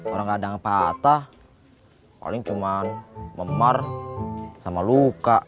orang kadang patah paling cuman memar sama luka